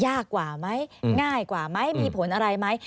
ยากกว่ามั้ยง่ายกว่ามั้ยมีผลอะไรมั้ย